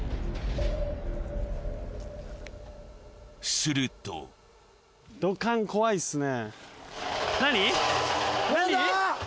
すると土管怖いっすね。